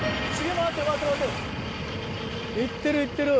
いってるいってる。